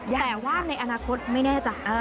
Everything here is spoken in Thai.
แต่ว่าในอนาคตไม่แน่จ้ะ